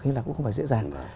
hy lạp cũng không dễ dàng